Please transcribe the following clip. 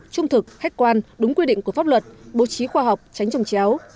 trung thực khách quan đúng quy định của pháp luật bố trí khoa học tránh trồng chéo